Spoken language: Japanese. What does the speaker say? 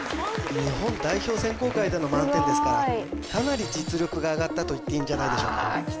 日本代表選考会での満点ですからかなり実力が上がったといっていいんじゃないでしょうか